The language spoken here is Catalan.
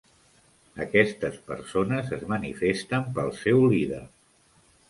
Aquestes persones es manifesten pel seu líder.